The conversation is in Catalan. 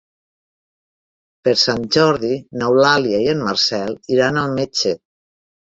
Per Sant Jordi n'Eulàlia i en Marcel iran al metge.